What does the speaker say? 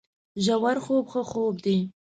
ژورخوب ښه خوب دی